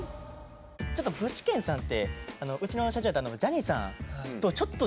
ちょっと具志堅さんってうちの社長やったジャニーさんとちょっと似てるなって。